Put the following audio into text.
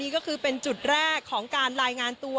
ก็คือเป็นจุดแรกของการรายงานตัว